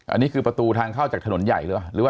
อันนี้คือประตูทางเข้าจากถนนใหญ่เลย